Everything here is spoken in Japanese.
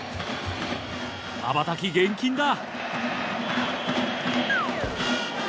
まばたき厳禁だ。